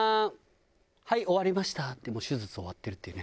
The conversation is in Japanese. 「はい終わりました」ってもう手術終わってるっていうね。